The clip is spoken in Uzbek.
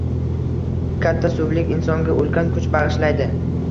Katta suvlik insonga ulkan kuch bagʻishlaydi